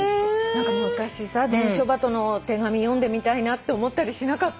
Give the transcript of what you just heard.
何か昔さ伝書バトの手紙読んでみたいなって思ったりしなかった？